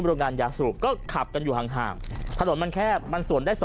โรงงานยาสูบก็ขับกันอยู่ห่างถนนมันแคบมันสวนได้๒